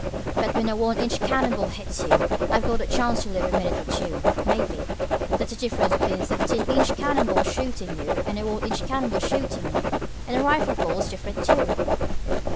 But when a one inch cannon ball hits you, you've got a chance to live a minute or two, maybe. That's the difference between a thirteen inch cannon ball shootin' you, and a one inch cannon ball shootin' you. And a rifle ball is different, too."